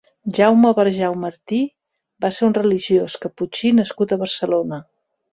Jaume Barjau Martí va ser un religiós caputxí nascut a Barcelona.